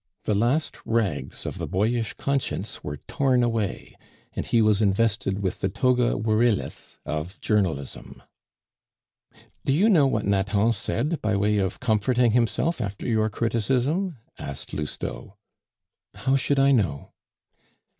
The last rags of the boyish conscience were torn away, and he was invested with the toga virilis of journalism. "Do you know what Nathan said by way of comforting himself after your criticism?" asked Lousteau. "How should I know?"